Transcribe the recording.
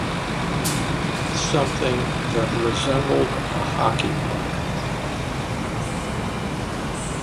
Something that resembled a hockey puck.